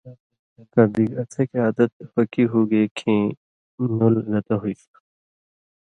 کہ بِگ اڅھکیۡ عادت پکی ہُوگے کھیں نُل گتہ ہُوئ تُھو